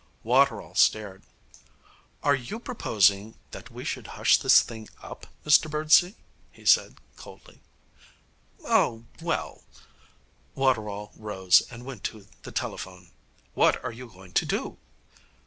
Waterall stared. 'Are you proposing that we should hush this thing up, Mr Birdsey?' he said coldly. 'Oh, well ' Waterall rose and went to the telephone. 'What are you going to do?'